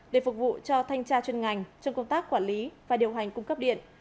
để phục vụ cho thanh tra chuyên ngành trong công tác quản lý và điều hành cung cấp điện